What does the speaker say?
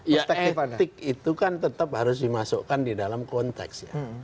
ya etik itu kan tetap harus dimasukkan di dalam konteks ya